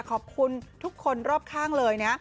ขอบคุณทุกคนรอบข้างเลยนะ